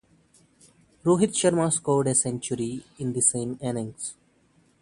Rohit Sharma scored a century in the same innings.